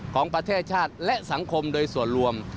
ของประเทศชาติและสังคมโดยส่วนรวม